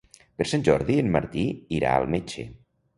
Per Sant Jordi en Martí irà al metge.